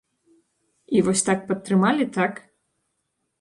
І вось так падтрымалі, так?